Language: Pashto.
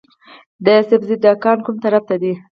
د سبزۍ دکان کوم طرف ته دی؟